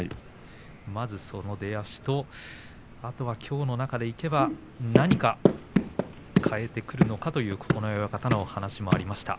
まずその出足とあとはきょうの中でいけば何か変えてくるのではないかということ九重親方の話もありました。